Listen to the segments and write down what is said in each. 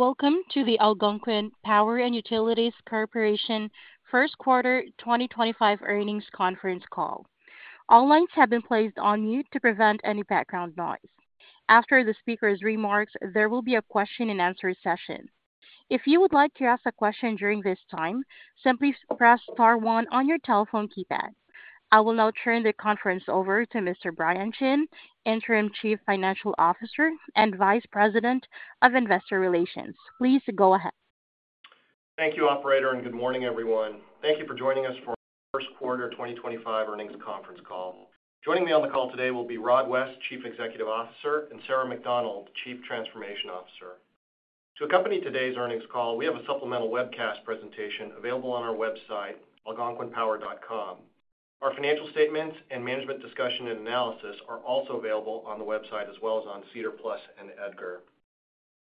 Welcome to the Algonquin Power & Utilities Corp First Quarter 2025 Earnings Conference Call. All lines have been placed on mute to prevent any background noise. After the speaker's remarks, there will be a question-and-answer session. If you would like to ask a question during this time, simply press star one on your telephone keypad. I will now turn the conference over to Mr. Brian Chin, Interim Chief Financial Officer and Vice President of Investor Relations. Please go ahead. Thank you, Operator, and good morning, everyone. Thank you for joining us for our first quarter 2025 earnings conference call. Joining me on the call today will be Rod West, Chief Executive Officer, and Sarah MacDonald, Chief Transformation Officer. To accompany today's earnings call, we have a supplemental webcast presentation available on our website, algonquinpower.com. Our financial statements and management discussion and analysis are also available on the website as well as on SEDAR+ and EDGAR.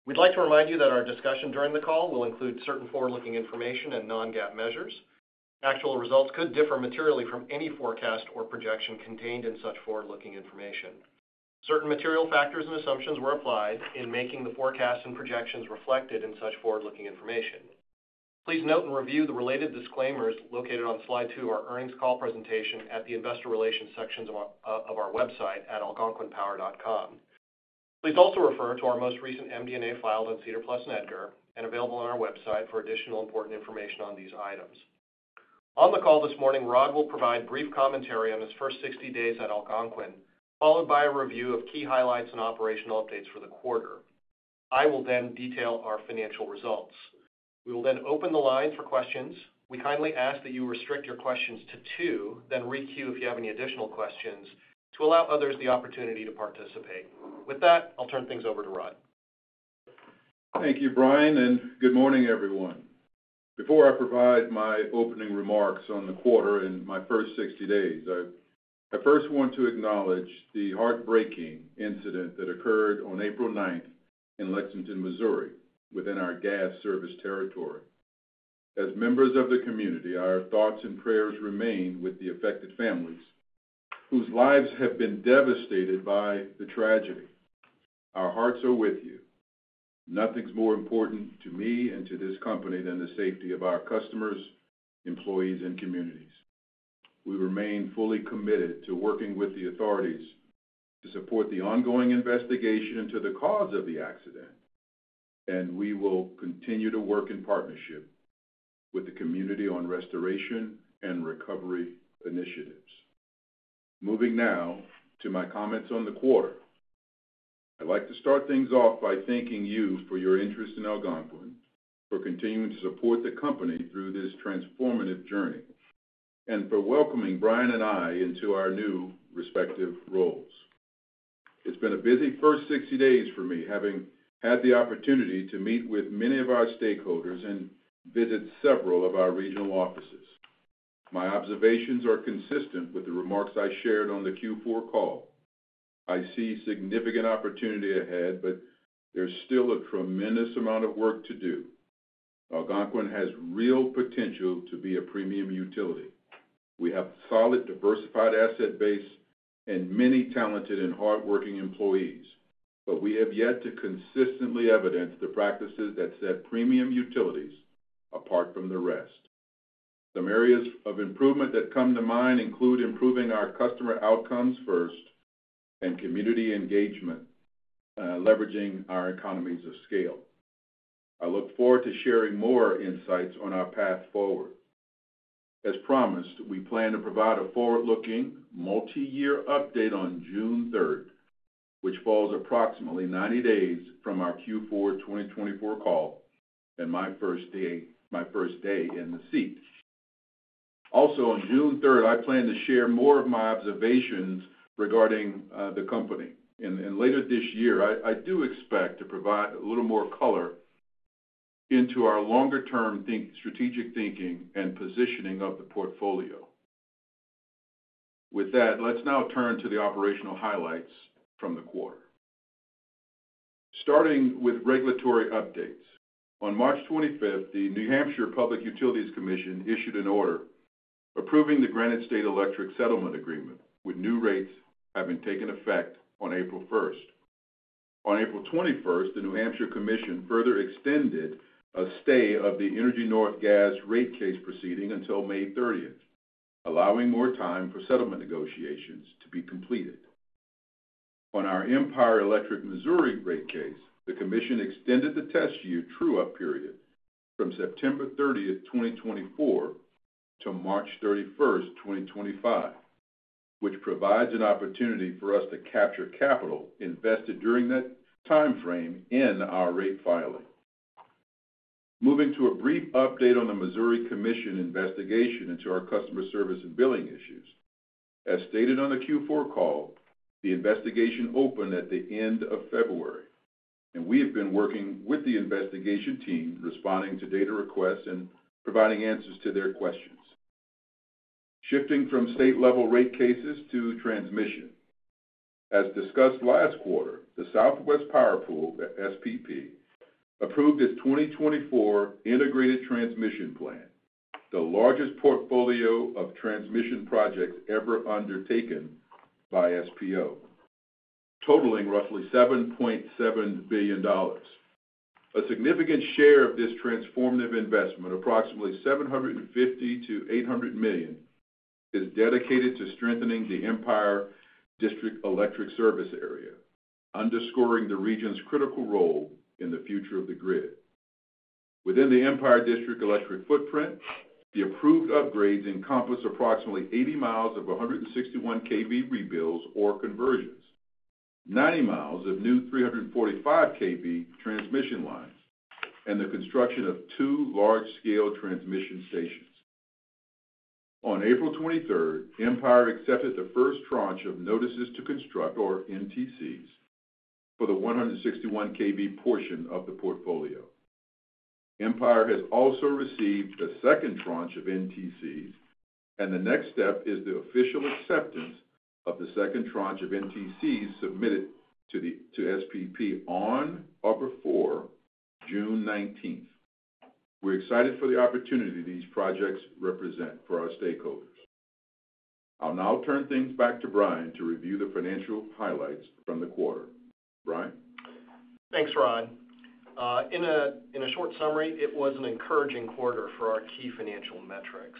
We'd like to remind you that our discussion during the call will include certain forward-looking information and non-GAAP measures. Actual results could differ materially from any forecast or projection contained in such forward-looking information. Certain material factors and assumptions were applied in making the forecasts and projections reflected in such forward-looking information. Please note and review the related disclaimers located on slide two of our earnings call presentation at the Investor Relations sections of our website at algonquinpower.com. Please also refer to our most recent MD&A filed on SEDAR+ and EDGAR and available on our website for additional important information on these items. On the call this morning, Rod will provide brief commentary on his first 60 days at Algonquin, followed by a review of key highlights and operational updates for the quarter. I will then detail our financial results. We will then open the lines for questions. We kindly ask that you restrict your questions to two, then re-queue if you have any additional questions to allow others the opportunity to participate. With that, I'll turn things over to Rod. Thank you, Brian, and good morning, everyone. Before I provide my opening remarks on the quarter and my first 60 days, I first want to acknowledge the heartbreaking incident that occurred on April 9th in Lexington, Missouri, within our gas service territory. As members of the community, our thoughts and prayers remain with the affected families whose lives have been devastated by the tragedy. Our hearts are with you. Nothing's more important to me and to this company than the safety of our customers, employees, and communities. We remain fully committed to working with the authorities to support the ongoing investigation into the cause of the accident, and we will continue to work in partnership with the community on restoration and recovery initiatives. Moving now to my comments on the quarter, I'd like to start things off by thanking you for your interest in Algonquin, for continuing to support the company through this transformative journey, and for welcoming Brian and I into our new respective roles. It's been a busy first 60 days for me, having had the opportunity to meet with many of our stakeholders and visit several of our regional offices. My observations are consistent with the remarks I shared on the Q4 call. I see significant opportunity ahead, yet there's still a tremendous amount of work to do. Algonquin has real potential to be a premium utility. We have a solid, diversified asset base and many talented and hardworking employees, yet we have yet to consistently evidence the practices that set premium utilities apart from the rest. Some areas of improvement that come to mind include improving our customer outcomes first and community engagement, leveraging our economies of scale. I look forward to sharing more insights on our path forward. As promised, we plan to provide a forward-looking multi-year update on June 3rd, which falls approximately 90 days from our Q4 2024 call and my first day in the seat. Also, on June 3rd, I plan to share more of my observations regarding the company. Later this year, I do expect to provide a little more color into our longer-term strategic thinking and positioning of the portfolio. With that, let's now turn to the operational highlights from the quarter. Starting with regulatory updates. On March 25th, the New Hampshire Public Utilities Commission issued an order approving the Granite State Electric settlement agreement, with new rates having taken effect on April 1st. On April 21st, the New Hampshire Commission further extended a stay of the EnergyNorth Gas rate case proceeding until May 30th, allowing more time for settlement negotiations to be completed. On our Empire Electric Missouri rate case, the Commission extended the test year true-up period from September 30th, 2024, to March 31st, 2025, which provides an opportunity for us to capture capital invested during that timeframe in our rate filing. Moving to a brief update on the Missouri Commission investigation into our customer service and billing issues. As stated on the Q4 call, the investigation opened at the end of February, and we have been working with the investigation team, responding to data requests and providing answers to their questions. Shifting from state-level rate cases to transmission. As discussed last quarter, the Southwest Power Pool, SPP, approved its 2024 Integrated Transmission Plan, the largest portfolio of transmission projects ever undertaken by SPP, totaling roughly $7.7 billion. A significant share of this transformative investment, approximately $750-$800 million, is dedicated to strengthening the Empire District Electric service area, underscoring the region's critical role in the future of the grid. Within the Empire District Electric footprint, the approved upgrades encompass approximately 80 mi of 161 kV rebuilds or conversions, 90 mi of new 345 kV transmission lines, and the construction of two large-scale transmission stations. On April 23, Empire accepted the first tranche of notices to construct, or NTCs, for the 161 kV portion of the portfolio. Empire has also received the second tranche of NTCs, and the next step is the official acceptance of the second tranche of NTCs submitted to SPP on October 4 and June 19. We're excited for the opportunity these projects represent for our stakeholders. I'll now turn things back to Brian to review the financial highlights from the quarter. Brian? Thanks, Rod. In a short summary, it was an encouraging quarter for our key financial metrics.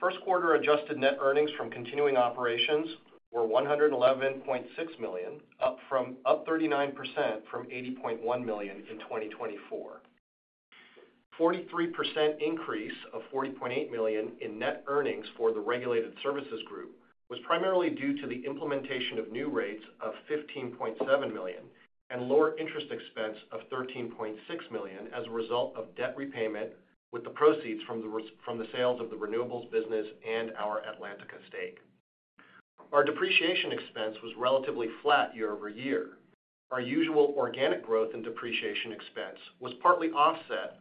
First quarter adjusted net earnings from continuing operations were $111.6 million, up 39% from $80.1 million in 2024. A 43% increase of $40.8 million in net earnings for the Regulated Services Group was primarily due to the implementation of new rates of $15.7 million and lower interest expense of $13.6 million as a result of debt repayment with the proceeds from the sales of the renewables business and our Atlantica stake. Our depreciation expense was relatively flat year over year. Our usual organic growth in depreciation expense was partly offset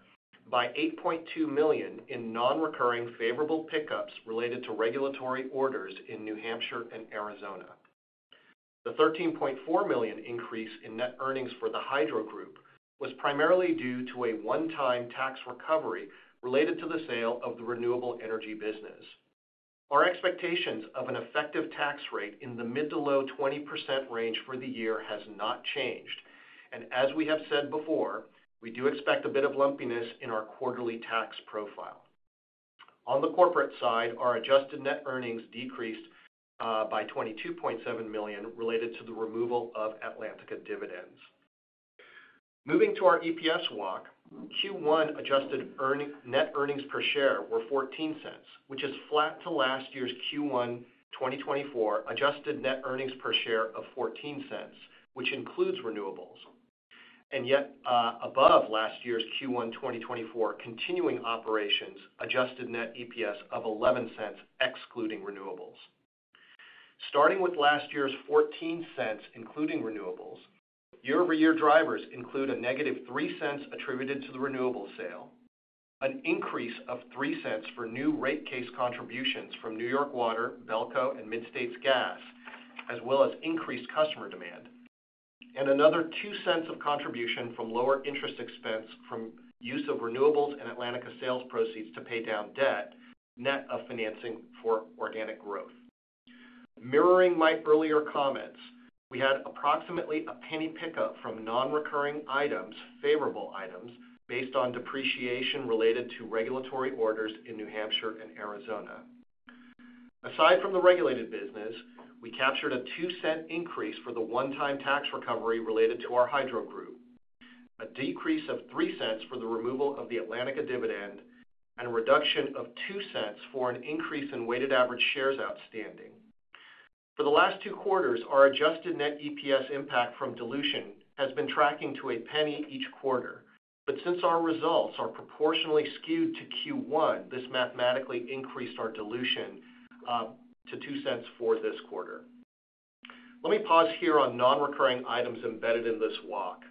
by $8.2 million in non-recurring favorable pickups related to regulatory orders in New Hampshire and Arizona. The $13.4 million increase in net earnings for the Hydro Group was primarily due to a one-time tax recovery related to the sale of the renewable energy business. Our expectations of an effective tax rate in the mid to low 20% range for the year have not changed, and as we have said before, we do expect a bit of lumpiness in our quarterly tax profile. On the Corporate side, our adjusted net earnings decreased by $22.7 million related to the removal of Atlantica dividends. Moving to our EPS walk, Q1 adjusted net earnings per share were $0.14, which is flat to last year's Q1 2024 adjusted net earnings per share of $0.14, which includes renewables. Yet, above last year's Q1 2024 continuing operations, adjusted net EPS of $0.11, excluding renewables. Starting with last year's $0.14, including renewables, year-over-year drivers include a -$0.03 attributed to the renewables sale, an increase of $0.03 for new rate case contributions from New York Water, BELCO, and Midstates Gas, as well as increased customer demand, and another $0.02 of contribution from lower interest expense from use of renewables and Atlantica sales proceeds to pay down debt net of financing for organic growth. Mirroring my earlier comments, we had approximately a penny pickup from non-recurring items, favorable items, based on depreciation related to regulatory orders in New Hampshire and Arizona. Aside from the regulated business, we captured a $0.02 increase for the one-time tax recovery related to our Hydro Group, a decrease of $0.03 for the removal of the Atlantica dividend, and a reduction of $0.02 for an increase in weighted average shares outstanding. For the last two quarters, our adjusted net EPS impact from dilution has been tracking to a penny each quarter, but since our results are proportionally skewed to Q1, this mathematically increased our dilution to $0.02 for this quarter. Let me pause here on non-recurring items embedded in this walk.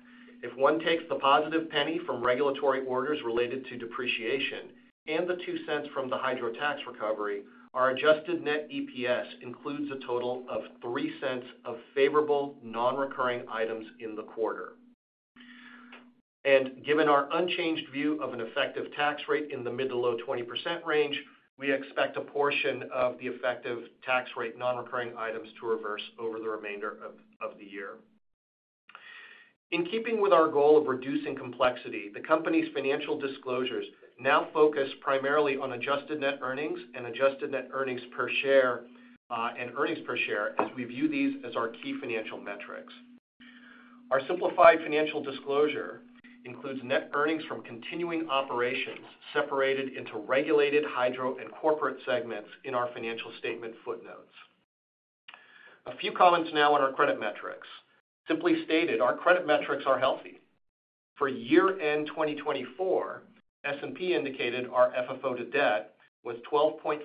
If one takes the positive penny from regulatory orders related to depreciation and the $0.02 from the Hydro tax recovery, our adjusted net EPS includes a total of $0.03 of favorable non-recurring items in the quarter. Given our unchanged view of an effective tax rate in the mid to low 20% range, we expect a portion of the effective tax rate non-recurring items to reverse over the remainder of the year. In keeping with our goal of reducing complexity, the company's financial disclosures now focus primarily on adjusted net earnings and adjusted net earnings per share and earnings per share as we view these as our key financial metrics. Our simplified financial disclosure includes net earnings from continuing operations separated into Regulated, Hydro, and Corporate segments in our financial statement footnotes. A few comments now on our credit metrics. Simply stated, our credit metrics are healthy. For year-end 2024, S&P indicated our FFO to debt was 12.5%,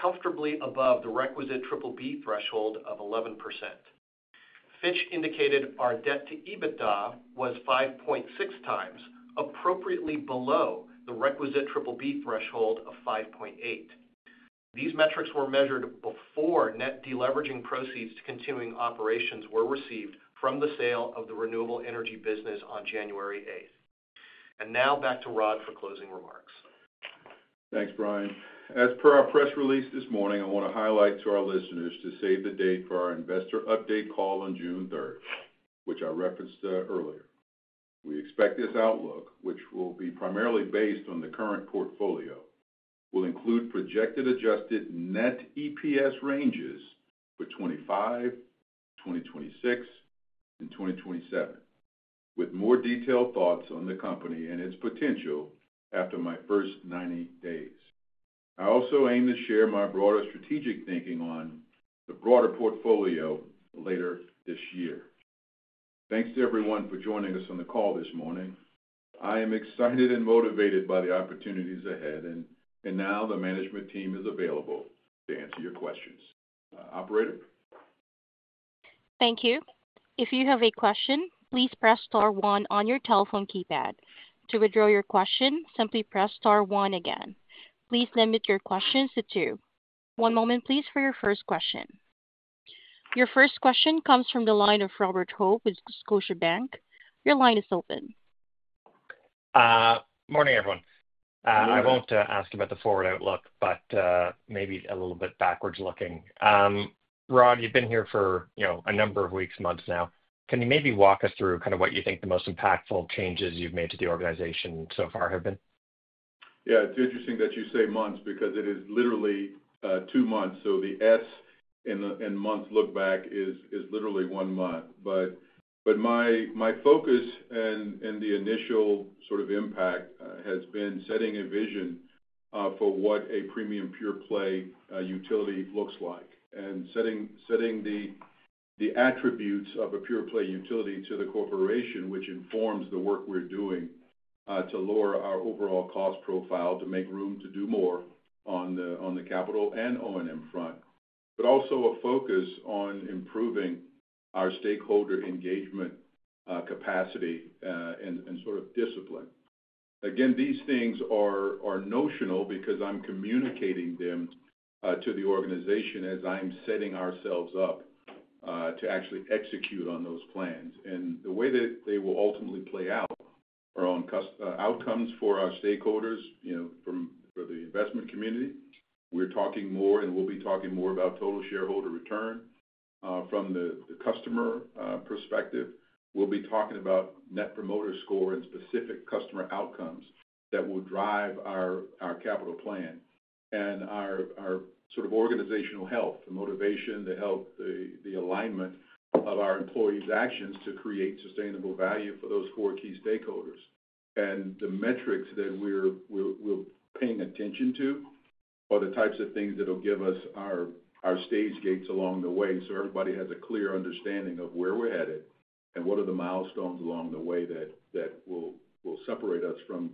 comfortably above the requisite BBB threshold of 11%. Fitch indicated our debt to EBITDA was 5.6x, appropriately below the requisite BBB threshold of 5.8. These metrics were measured before net deleveraging proceeds to continuing operations were received from the sale of the renewable energy business on January 8th. Now back to Rod for closing remarks. Thanks, Brian. As per our press release this morning, I want to highlight to our listeners to save the date for our investor update call on June 3rd, which I referenced earlier. We expect this outlook, which will be primarily based on the current portfolio, will include projected adjusted net EPS ranges for 2025, 2026, and 2027, with more detailed thoughts on the company and its potential after my first 90 days. I also aim to share my broader strategic thinking on the broader portfolio later this year. Thanks to everyone for joining us on the call this morning. I am excited and motivated by the opportunities ahead, and now the management team is available to answer your questions. Operator? Thank you. If you have a question, please press star one on your telephone keypad. To withdraw your question, simply press star one again. Please limit your questions to two. One moment, please, for your first question. Your first question comes from the line of Robert Hope with Scotiabank. Your line is open. Morning, everyone. I won't ask about the forward outlook, but maybe a little bit backwards looking. Rod, you've been here for a number of weeks, months now. Can you maybe walk us through kind of what you think the most impactful changes you've made to the organization so far have been? Yeah, it's interesting that you say months because it is literally two months. The S in months look back is literally one month. My focus and the initial sort of impact has been setting a vision for what a premium pure-play utility looks like and setting the attributes of a pure-play utility to the corporation, which informs the work we're doing to lower our overall cost profile to make room to do more on the capital and O&M front, but also a focus on improving our stakeholder engagement capacity and sort of discipline. These things are notional because I'm communicating them to the organization as I'm setting ourselves up to actually execute on those plans. The way that they will ultimately play out are on outcomes for our stakeholders for the investment community. We're talking more and we'll be talking more about total shareholder return from the customer perspective. We'll be talking about net promoter score and specific customer outcomes that will drive our capital plan and our sort of organizational health, the motivation, the health, the alignment of our employees' actions to create sustainable value for those four key stakeholders. The metrics that we're paying attention to are the types of things that will give us our stage gates along the way so everybody has a clear understanding of where we're headed and what are the milestones along the way that will separate us from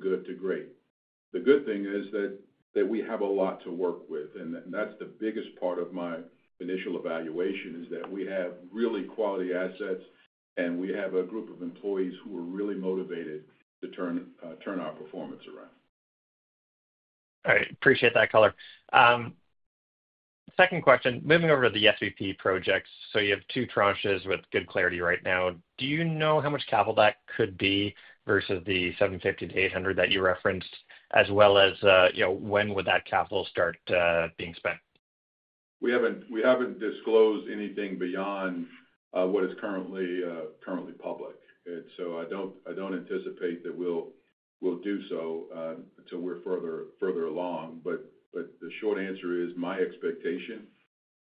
good to great. The good thing is that we have a lot to work with, and that's the biggest part of my initial evaluation is that we have really quality assets and we have a group of employees who are really motivated to turn our performance around. All right. Appreciate that color. Second question, moving over to the SPP projects. You have two tranches with good clarity right now. Do you know how much capital that could be versus the $750-$800 that you referenced, as well as when would that capital start being spent? We haven't disclosed anything beyond what is currently public. I don't anticipate that we'll do so until we're further along. The short answer is my expectation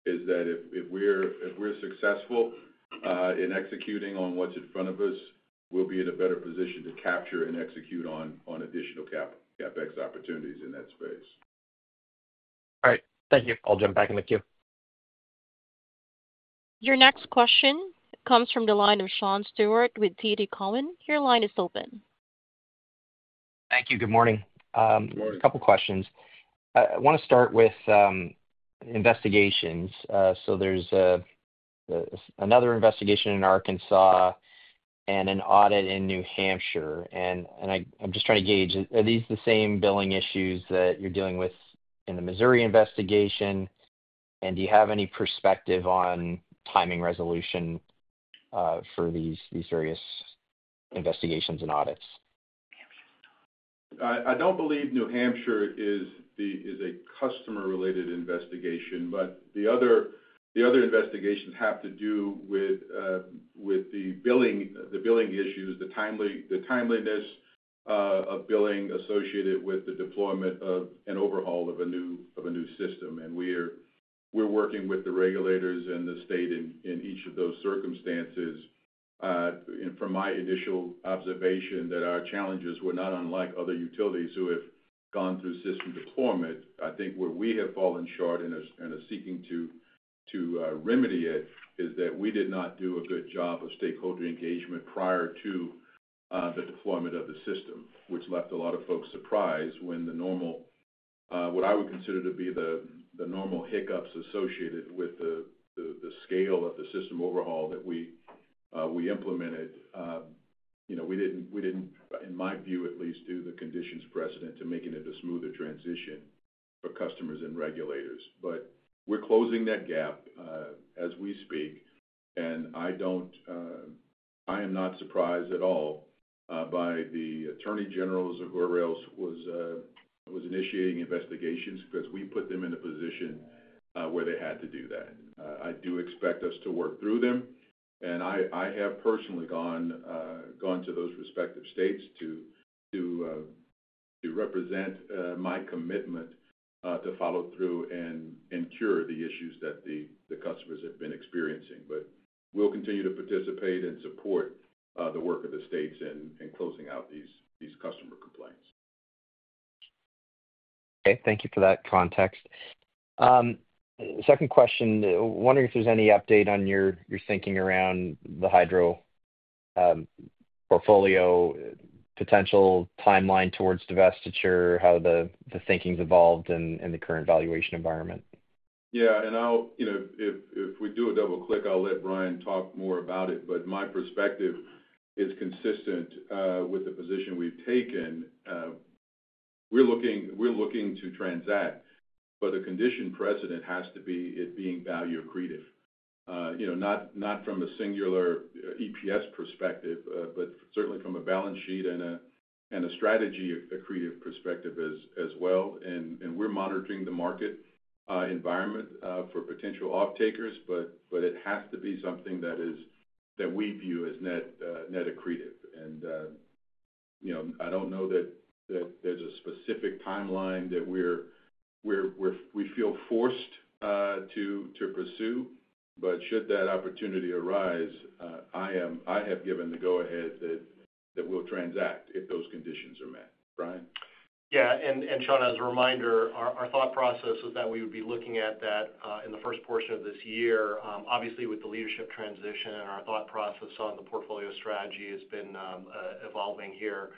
is that if we're successful in executing on what's in front of us, we'll be in a better position to capture and execute on additional CapEx opportunities in that space. All right. Thank you. I'll jump back in the queue. Your next question comes from the line of Sean Steuart with TD Cowen. Your line is open. Thank you. Good morning. Good morning. Couple of questions. I want to start with investigations. There is another investigation in Arkansas and an audit in New Hampshire. I am just trying to gauge, are these the same billing issues that you are dealing with in the Missouri investigation? Do you have any perspective on timing resolution for these various investigations and audits? I do not believe New Hampshire is a customer-related investigation, but the other investigations have to do with the billing issues, the timeliness of billing associated with the deployment of an overhaul of a new system. We are working with the regulators and the state in each of those circumstances. From my initial observation, our challenges were not unlike other utilities who have gone through system deployment. I think where we have fallen short in seeking to remedy it is that we did not do a good job of stakeholder engagement prior to the deployment of the system, which left a lot of folks surprised when the normal, what I would consider to be the normal hiccups associated with the scale of the system overhaul that we implemented, occurred. We did not, in my view at least, do the conditions precedent to making it a smoother transition for customers and regulators. We're closing that gap as we speak, and I am not surprised at all by the attorney generals of where else was initiating investigations because we put them in a position where they had to do that. I do expect us to work through them, and I have personally gone to those respective states to represent my commitment to follow through and cure the issues that the customers have been experiencing. We'll continue to participate and support the work of the states in closing out these customer complaints. Okay. Thank you for that context. Second question, wondering if there's any update on your thinking around the Hydro portfolio, potential timeline towards divestiture, how the thinking's evolved in the current valuation environment. Yeah. If we do a double-click, I'll let Brian talk more about it. My perspective is consistent with the position we've taken. We're looking to transact, but the condition precedent has to be it being value accretive, not from a singular EPS perspective, but certainly from a balance sheet and a strategy accretive perspective as well. We're monitoring the market environment for potential off-takers, but it has to be something that we view as net accretive. I don't know that there's a specific timeline that we feel forced to pursue, but should that opportunity arise, I have given the go-ahead that we'll transact if those conditions are met. Brian? Yeah. And Sean as a reminder, our thought process is that we would be looking at that in the first portion of this year. Obviously, with the leadership transition, our thought process on the portfolio strategy has been evolving here.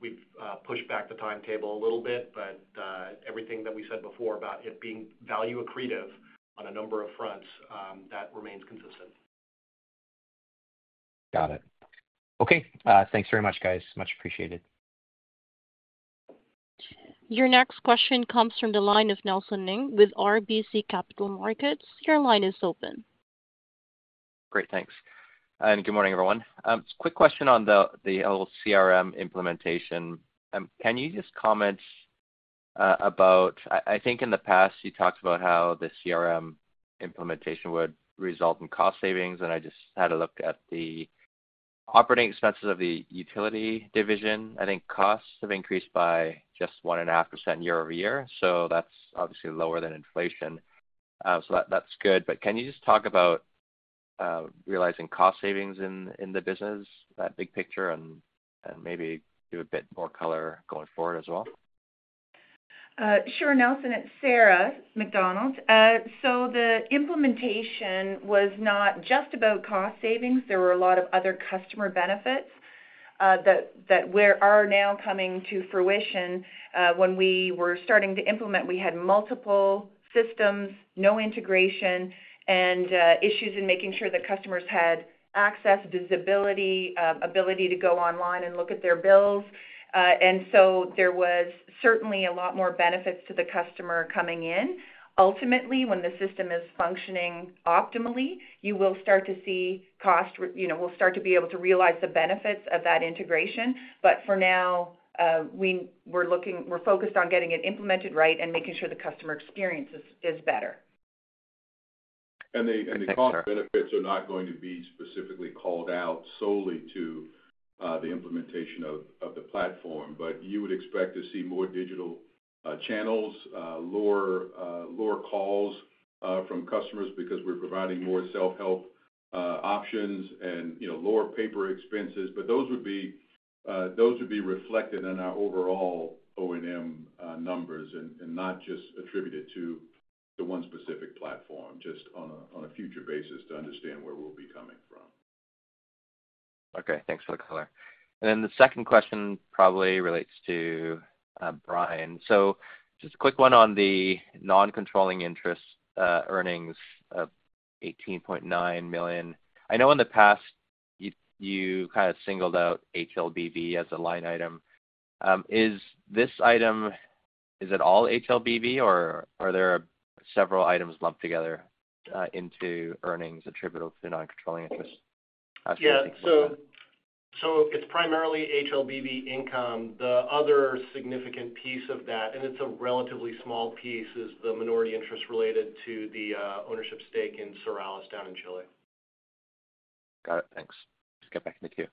We have pushed back the timetable a little bit, but everything that we said before about it being value accretive on a number of fronts, that remains consistent. Got it. Okay. Thanks very much, guys. Much appreciated. Your next question comes from the line of Nelson Ng with RBC Capital Markets. Your line is open. Great. Thanks. Good morning, everyone. Quick question on the whole CRM implementation. Can you just comment about, I think in the past, you talked about how the CRM implementation would result in cost savings, and I just had a look at the operating expenses of the utility division. I think costs have increased by just 1.5% year-over-year, so that's obviously lower than inflation. That's good. Can you just talk about realizing cost savings in the business, that big picture, and maybe do a bit more color going forward as well? Sure, Nelson. It's Sarah MacDonald. The implementation was not just about cost savings. There were a lot of other customer benefits that are now coming to fruition. When we were starting to implement, we had multiple systems, no integration, and issues in making sure that customers had access, visibility, ability to go online and look at their bills. There was certainly a lot more benefits to the customer coming in. Ultimately, when the system is functioning optimally, you will start to see costs, we will start to be able to realize the benefits of that integration. For now, we're focused on getting it implemented right and making sure the customer experience is better. The cost benefits are not going to be specifically called out solely to the implementation of the platform, but you would expect to see more digital channels, lower calls from customers because we are providing more self-help options and lower paper expenses. Those would be reflected in our overall O&M numbers and not just attributed to one specific platform, just on a future basis to understand where we will be coming from. Okay. Thanks for the color. The second question probably relates to Brian. Just a quick one on the non-controlling interest earnings, $18.9 million. I know in the past, you kind of singled out HLBV as a line item. Is this item, is it all HLBV, or are there several items lumped together into earnings attributable to non-controlling interest? Yeah. So it's primarily HLBV income. The other significant piece of that, and it's a relatively small piece, is the minority interest related to the ownership stake in Suralis down in Chile. Got it. Thanks. Let's get back in the queue.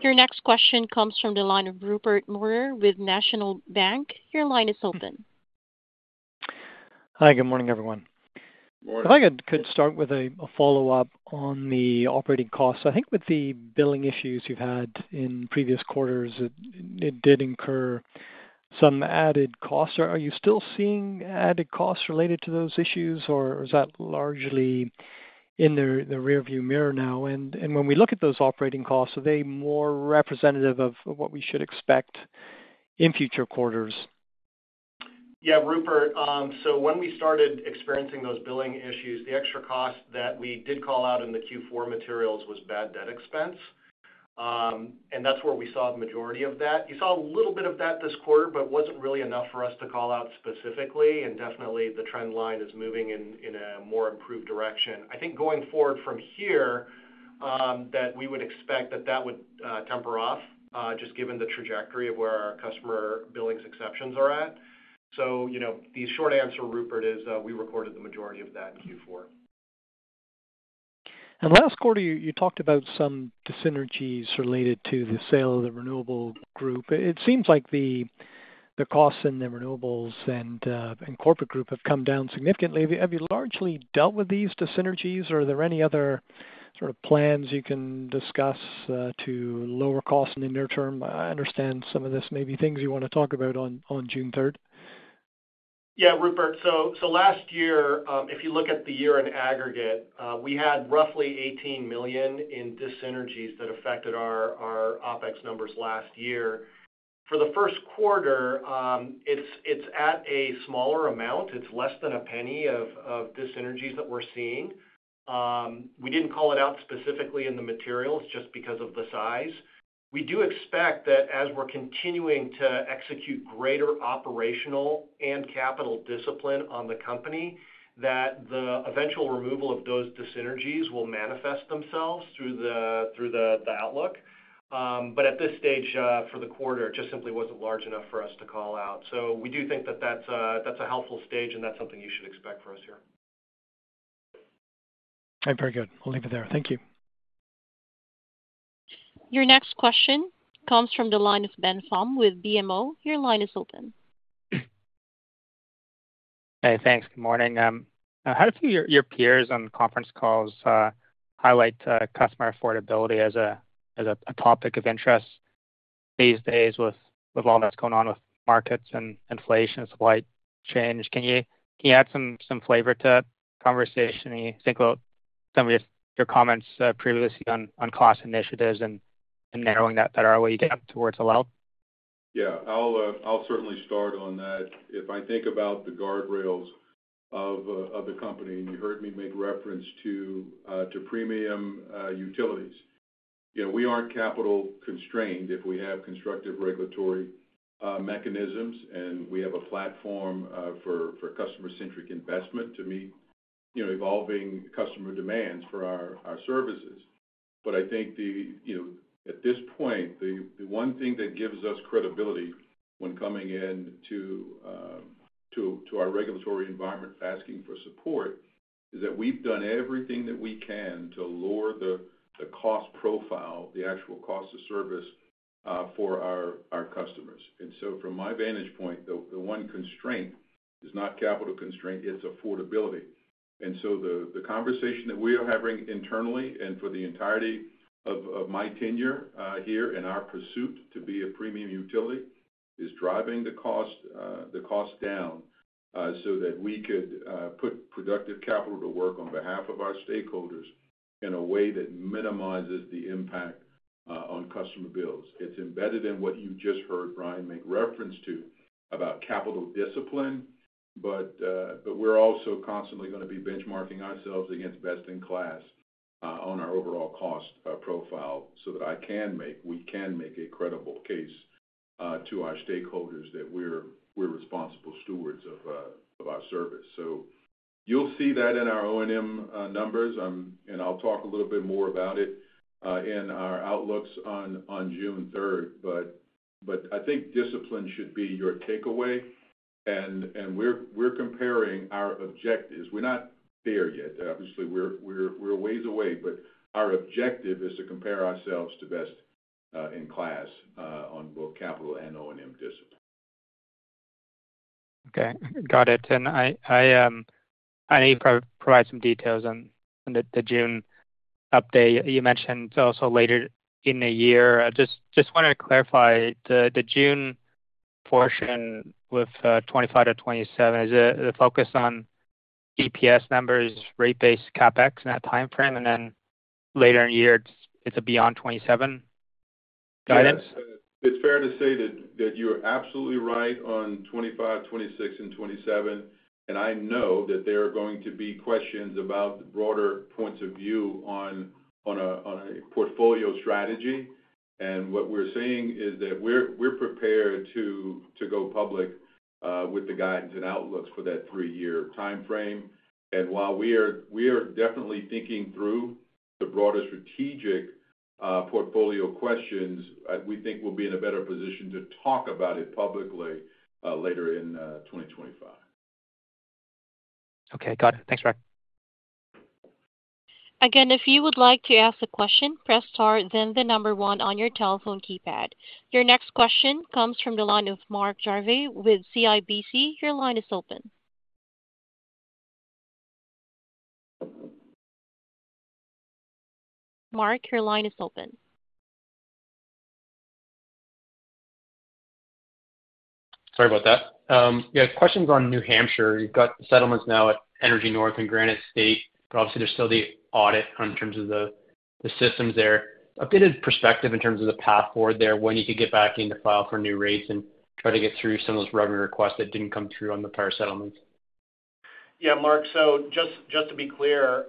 Your next question comes from the line of Rupert Merer with National Bank. Your line is open. Hi. Good morning, everyone. If I could start with a follow-up on the operating costs. I think with the billing issues you've had in previous quarters, it did incur some added costs. Are you still seeing added costs related to those issues, or is that largely in the rearview mirror now? When we look at those operating costs, are they more representative of what we should expect in future quarters? Yeah, Rupert. When we started experiencing those billing issues, the extra cost that we did call out in the Q4 materials was bad debt expense, and that's where we saw the majority of that. You saw a little bit of that this quarter, but it wasn't really enough for us to call out specifically. Definitely, the trend line is moving in a more improved direction. I think going forward from here, we would expect that that would temper off just given the trajectory of where our customer billing exceptions are at. The short answer, Rupert, is we recorded the majority of that in Q4. Last quarter, you talked about some dyssynergies related to the sale of the renewable group. It seems like the costs in the renewables and corporate group have come down significantly. Have you largely dealt with these dyssynergies, or are there any other sort of plans you can discuss to lower costs in the near term? I understand some of this may be things you want to talk about on June 3rd. Yeah, Rupert. Last year, if you look at the year in aggregate, we had roughly $18 million in dyssynergies that affected our OpEx numbers last year. For the first quarter, it is at a smaller amount. It is less than a penny of dyssynergies that we are seeing. We did not call it out specifically in the materials just because of the size. We do expect that as we are continuing to execute greater operational and capital discipline on the company, the eventual removal of those dyssynergies will manifest themselves through the outlook. At this stage for the quarter, it just simply was not large enough for us to call out. We do think that is a helpful stage, and that is something you should expect for us here. All right. Very good. I'll leave it there. Thank you. Your next question comes from the line of Ben Pham with BMO. Your line is open. Hey. Thanks. Good morning. How do you feel your peers on conference calls highlight customer affordability as a topic of interest these days with all that's going on with markets and inflation and supply chain? Can you add some flavor to that conversation? Can you think about some of your comments previously on cost initiatives and narrowing that better while you get towards the lull? Yeah. I'll certainly start on that. If I think about the guardrails of the company, and you heard me make reference to premium utilities, we aren't capital constrained if we have constructive regulatory mechanisms, and we have a platform for customer-centric investment to meet evolving customer demands for our services. I think at this point, the one thing that gives us credibility when coming into our regulatory environment asking for support is that we've done everything that we can to lower the cost profile, the actual cost of service for our customers. From my vantage point, the one constraint is not capital constraint; it's affordability. The conversation that we are having internally and for the entirety of my tenure here in our pursuit to be a premium utility is driving the cost down so that we could put productive capital to work on behalf of our stakeholders in a way that minimizes the impact on customer bills. It is embedded in what you just heard Brian make reference to about capital discipline, but we are also constantly going to be benchmarking ourselves against best in class on our overall cost profile so that I can make—we can make a credible case to our stakeholders that we are responsible stewards of our service. You will see that in our O&M numbers, and I will talk a little bit more about it in our outlooks on June 3rd. I think discipline should be your takeaway, and we are comparing our objectives. We are not there yet. Obviously, we're a ways away, but our objective is to compare ourselves to best in class on both capital and O&M discipline. Okay. Got it. I need to provide some details on the June update. You mentioned also later in the year. Just wanted to clarify the June portion with 2025-2027. Is it a focus on EPS numbers, rate-based CapEx in that timeframe, and then later in the year, it is a beyond 2027 guidance? It's fair to say that you're absolutely right on 2025, 2026, and 2027. I know that there are going to be questions about the broader points of view on a portfolio strategy. What we're saying is that we're prepared to go public with the guidance and outlooks for that three-year timeframe. While we are definitely thinking through the broader strategic portfolio questions, we think we'll be in a better position to talk about it publicly later in 2025. Okay. Got it. Thanks, Ben. Again, if you would like to ask a question, press star, then the number one on your telephone keypad. Your next question comes from the line of Mark Jarvi with CIBC. Your line is open. Mark, your line is open. Sorry about that. Yeah. Questions on New Hampshire. You've got settlements now at EnergyNorth and Granite State, but obviously, there's still the audit in terms of the systems there. Updated perspective in terms of the path forward there, when you could get back in to file for new rates and try to get through some of those revenue requests that did not come through on the prior settlements? Yeah, Mark. Just to be clear,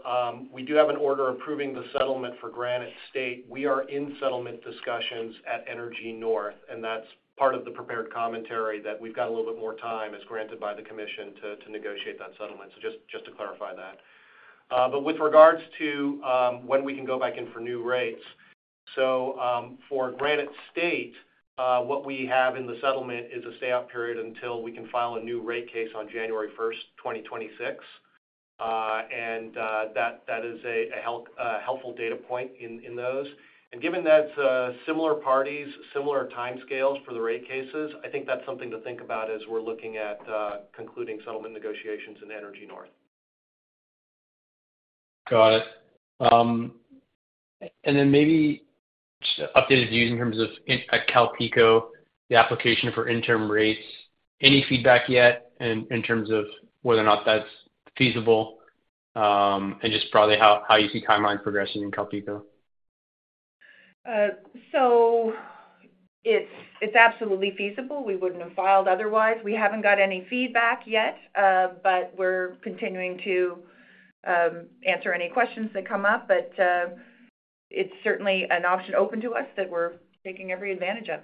we do have an order approving the settlement for Granite State. We are in settlement discussions at EnergyNorth, and that is part of the prepared commentary that we have got a little bit more time as granted by the commission to negotiate that settlement. Just to clarify that. With regards to when we can go back in for new rates, for Granite State, what we have in the settlement is a stay-out period until we can file a new rate case on January 1, 2026. That is a helpful data point in those. Given that similar parties, similar time scales for the rate cases, I think that's something to think about as we're looking at concluding settlement negotiations in EnergyNorth. Got it. Maybe just updated views in terms of at CalPeco, the application for interim rates. Any feedback yet in terms of whether or not that's feasible and just broadly how you see timelines progressing in CalPeco? It is absolutely feasible. We would not have filed otherwise. We have not got any feedback yet, but we are continuing to answer any questions that come up. It is certainly an option open to us that we are taking every advantage of.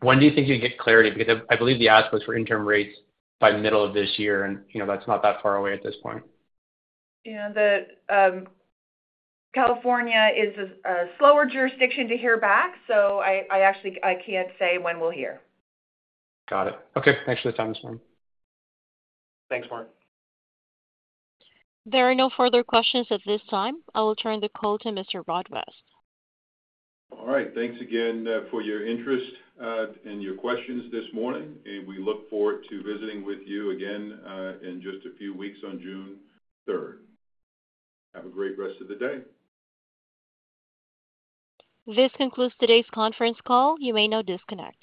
When do you think you'll get clarity? Because I believe the ask was for interim rates by middle of this year, and that's not that far away at this point. Yeah. California is a slower jurisdiction to hear back, so I can't say when we'll hear. Got it. Okay. Thanks for the time this morning. Thanks, Mark. There are no further questions at this time. I will turn the call to Mr. Rod West. All right. Thanks again for your interest and your questions this morning. We look forward to visiting with you again in just a few weeks on June 3rd. Have a great rest of the day. This concludes today's conference call. You may now disconnect.